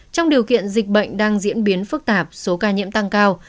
trong điều kiện dịch bệnh đang diễn biến phức tạp số ca nhiễm tăng cao